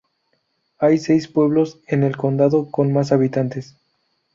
Hay seis pueblos en el condado con más habitantes.